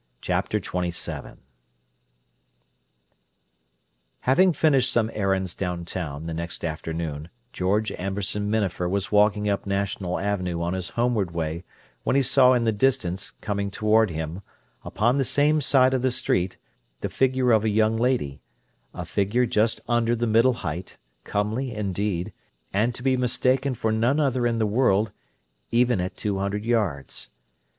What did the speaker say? Chapter XXVII Having finished some errands downtown, the next afternoon, George Amberson Minafer was walking up National Avenue on his homeward way when he saw in the distance, coming toward him, upon the same side of the street, the figure of a young lady—a figure just under the middle height, comely indeed, and to be mistaken for none other in the world—even at two hundred yards.